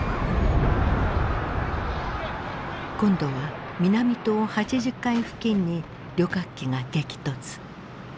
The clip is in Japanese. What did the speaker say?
今度は南棟８０階付近に旅客機が激突。